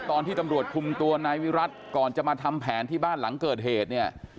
ตอนที่ตำรวจคุมตัวนายวิรัติก่อนจะมาทำแผนที่บ้านหลังเกิดเหตุเนี่ย